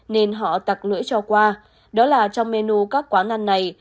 nên họ tặng lưỡi cho qua đó là trong menu các quán ăn này